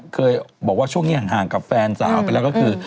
เคยบอกว่าช่วงนี้ห่างกับแฟนสาวไปแล้วก็คือ